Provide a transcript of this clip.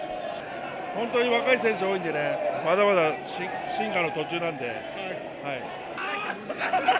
本当に若い選手多いんで、まだまだ進化の途中なんで。